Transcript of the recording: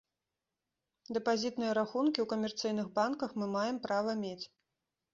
Дэпазітныя рахункі ў камерцыйных банках мы маем права мець.